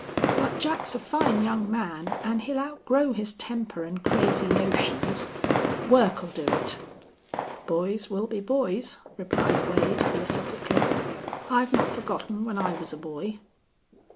But Jack's a fine young man. An' he'll outgrow his temper an' crazy notions. Work'll do it." "Boys will be boys," replied Wade, philosophically. "I've not forgotten when I was a boy."